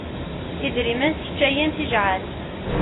Idrimen sseččayen tijɛal.